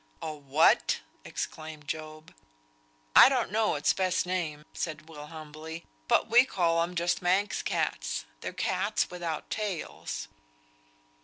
"A what?" exclaimed Job. "I don't know its best name," said Will, humbly. "But we call 'em just Manx cats. They're cats without tails."